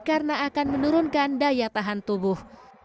karena akan menurunkan daya tahan tubuh